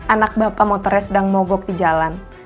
anak bapak motornya sedang mogok di jalan